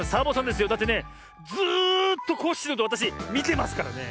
だってねずっとコッシーのことわたしみてますからね。